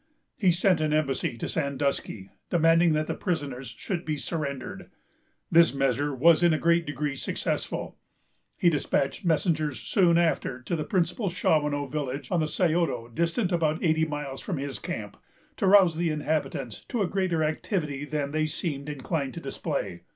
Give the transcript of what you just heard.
He sent an embassy to Sandusky, demanding that the prisoners should be surrendered. This measure was in a great degree successful. He despatched messengers soon after to the principal Shawanoe village, on the Scioto, distant about eighty miles from his camp, to rouse the inhabitants to a greater activity than they seemed inclined to display.